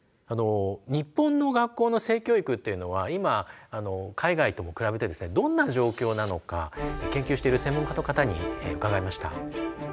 日本の学校の性教育っていうのは今海外とも比べてどんな状況なのか研究している専門家の方に伺いました。